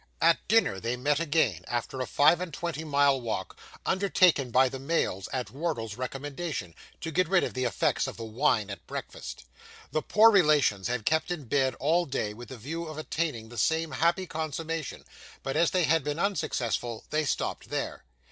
At dinner they met again, after a five and twenty mile walk, undertaken by the males at Wardle's recommendation, to get rid of the effects of the wine at breakfast. The poor relations had kept in bed all day, with the view of attaining the same happy consummation, but, as they had been unsuccessful, they stopped there.